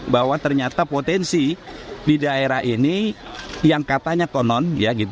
bahwa ternyata potensi di daerah ini yang katanya konon